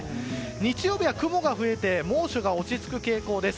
日曜日は雲が増えて猛暑が落ち着く傾向です。